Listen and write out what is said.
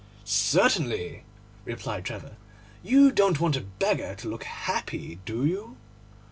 'Certainly,' replied Trevor, 'you don't want a beggar to look happy, do you?